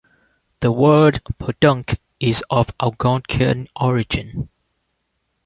The word podunk is of Algonquian origin.